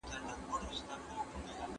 له غوړو خوړو څخه ځان وساتئ.